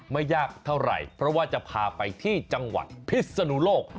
ไม่ยากเท่าไหร่เพราะว่าจะพาไปที่จังหวัดพิศนุโลก